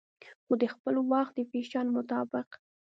خو دخپل وخت د فېشن مطابق